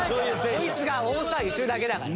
こいつが大騒ぎしてるだけだから。